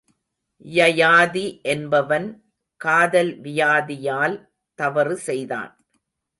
யயாதி என்பவன் காதல் வியாதியால் தவறு செய்தான்.